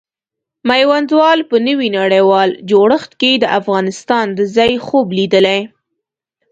میوندوال په نوي نړیوال جوړښت کې د افغانستان د ځای خوب لیدلی.